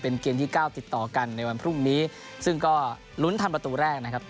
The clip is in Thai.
เป็นเกมที่เก้าติดต่อกันในวันพรุ่งนี้ซึ่งก็ลุ้นทำประตูแรกนะครับ